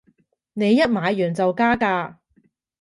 你一買完就加價